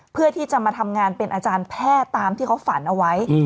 เพื่อที่จะมาทำงานเป็นอาจารย์แพทย์ตามที่เขาฝันเอาไว้